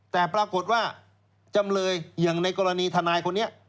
แต่ปรากฏว่าจำเลยอย่างในกรณีทนายคนนี้